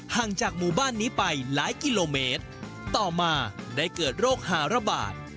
ห่างจากหมู่บ้านนี้ไปหลายกิโลเมตรต่อมาได้เกิดโรคหาระบาด